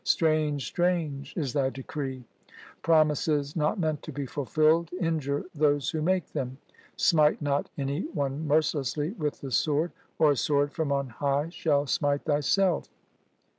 Strange, strange is thy decree ! Promises not meant to be fulfilled injure those who make them. Smite not any one mer cilessly with the sword, or a sword from on high shall smite thyself.